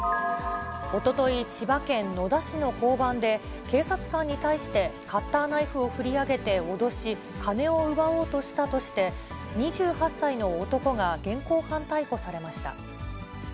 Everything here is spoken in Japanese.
おととい、千葉県野田市の交番で、警察官に対してカッターナイフを振り上げて脅し、金を奪おうとしたとして、２８歳の男が現行犯逮捕されました。